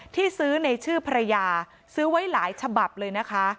ที่ซื้อในชื่อภรรยาซื้อไว้หลายฉบับเลยนะคะ